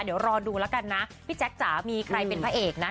เดี๋ยวรอดูแล้วกันนะพี่แจ๊คจ๋ามีใครเป็นพระเอกนะ